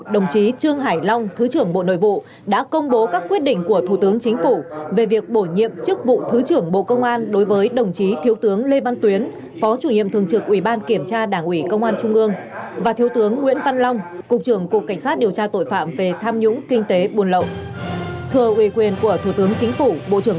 đại tướng tô lâm ủy viên bộ chính trị bí thư đảng ủy công an trung ương bộ trưởng bộ công an trung ương